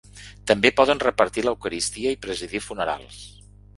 També poden repartir l’eucaristia i presidir funerals.